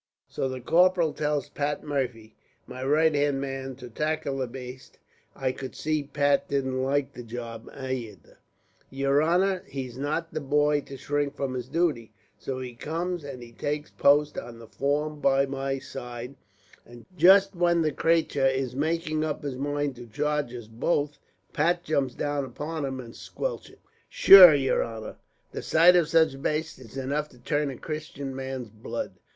"So the corporal tells Pat Murphy, my right hand man, to tackle the baste. I could see Pat didn't like the job ayther, yer honor, but he's not the boy to shrink from his duty; so he comes and he takes post on the form by my side, and just when the cratur is making up his mind to charge us both, Pat jumps down upon him and squelched it. "Shure, yer honor, the sight of such bastes is enough to turn a Christian man's blood."